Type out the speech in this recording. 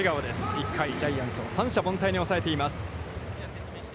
１回、ジャイアンツを三者凡退に抑えています。